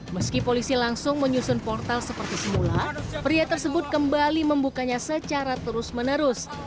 meski polisi langsung menyusun portal seperti semula pria tersebut kembali membukanya secara terus menerus